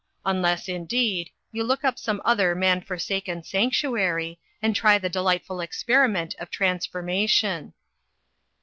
Unless, indeed, you look up some other man forsaken sanctuary, and try the delightful experiment of trans formation.